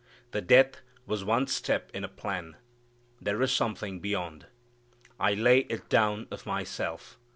The death was one step in a plan. There is something beyond. "I lay it down of myself.